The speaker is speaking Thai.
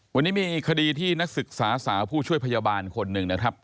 วันนี้มีอีกคดีที่นักศึกษาสาวผู้ช่วยพยาบาลคนหนึ่งนะครับ